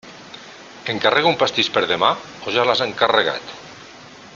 Encarrego un pastís per demà o ja l'has encarregat?